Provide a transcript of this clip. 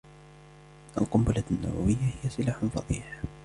القنبلة النووية هي سلاح فظيع.